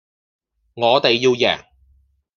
我哋要贏